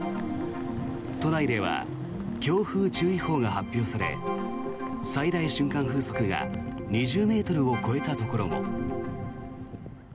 都内では強風注意報が発表され最大瞬間風速が２０ｍを超えたところも。